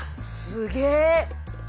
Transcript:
すげえ。